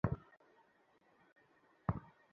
একটা উপকার করবে?